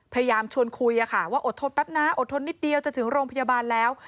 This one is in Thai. พยายามชวนคุยว่าอดทนแป๊บนะอดทนนิดเดียวจะถึงโรงพยาบาลแล้ว